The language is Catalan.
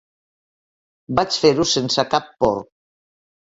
Vaig fer-ho sense cap por.